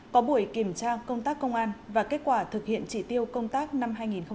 có buổi kiểm tra công tác công an và kết quả thực hiện chỉ tiêu công tác năm hai nghìn hai mươi ba